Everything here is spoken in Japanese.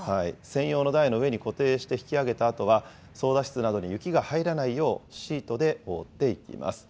専用の台の上に固定して引き上げたあとは、操だ室などに雪が入らないよう、シートで覆っていきます。